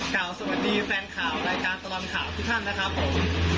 สวัสดีแฟนข่าวรายการตลอดข่าวทุกท่านนะครับผม